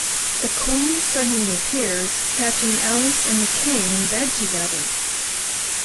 The queen suddenly appears, catching Alice and the king in bed together.